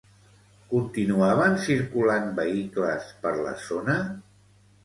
Continuaven circulant vehicles per la zona?